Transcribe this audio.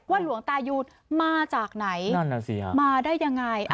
ว่าหลวงตายูนมาจากไหนมาได้อย่างไร